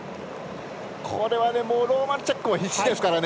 これはローマンチャックも必死ですからね。